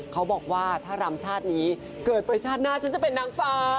เขาบอกว่าถ้ารำชาตินี้เกิดไปชาติหน้าฉันจะเป็นนางฟ้า